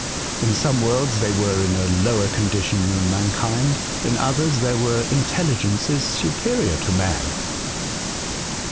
In some worlds they were in a lower condition than mankind, in others there were intelligences superior to man.